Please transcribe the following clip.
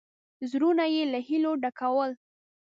زړونه یې له هیلو ډکول.